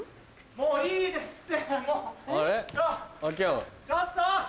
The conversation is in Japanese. もういいですって！